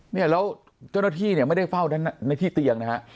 เนี่ยแล้วเจ้าหน้าที่เนี่ยไม่ได้เฝ้าในที่เตียงนะฮะ